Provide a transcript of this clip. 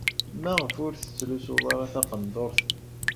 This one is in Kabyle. Maɣef ur tettlusuḍ ara taqendurt?